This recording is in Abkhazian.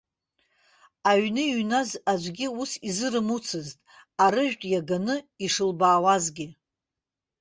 Аҩны иҩназ аӡәгьы ус изырымуцызт, арыжәтә иаганы ишылбаауазгьы.